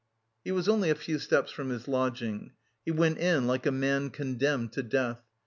He was only a few steps from his lodging. He went in like a man condemned to death.